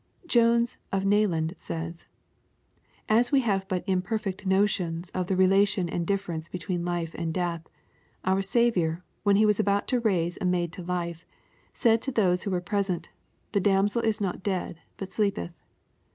Jones, of Nayland says —" As we have but imperfect notions of the relation and difference between life and deatii, our Saviour, when He was about to raise a maid to life, said to those who were E resent, ' the damsel is not dead, but sleepeth.'